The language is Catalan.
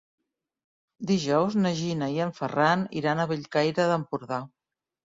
Dijous na Gina i en Ferran iran a Bellcaire d'Empordà.